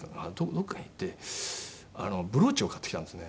どこかへ行ってブローチを買ってきたんですね。